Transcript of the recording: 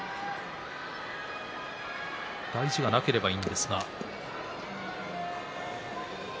大事がなければいいんですが。